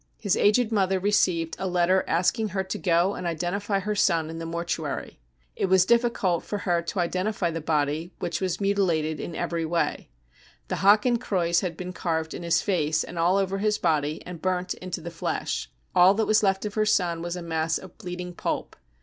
His aged mother received a letter asking her to go and identify her son in the mortuary. It was difficult for her to identify the body, which was mutilated in every way. The hakenkreuz had been carved in his face and all over his body and burnt into the flesh ; all that was left of her son was a mass of bleeding pulp.